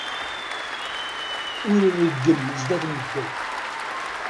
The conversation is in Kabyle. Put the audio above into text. Ur reggem sdat medden.